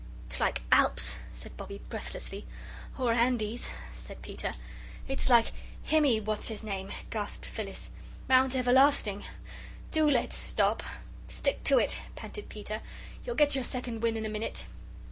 "It's like Alps," said Bobbie, breathlessly. "Or Andes," said Peter. "It's like Himmy what's its names?" gasped Phyllis. "Mount Everlasting. Do let's stop." "Stick to it," panted Peter; "you'll get your second wind in a minute."